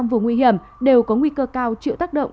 vùng nguy hiểm đều có nguy cơ cao chịu tác động